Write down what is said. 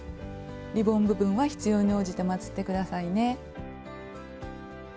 リボン部分は必要に応じてまつって下さいね。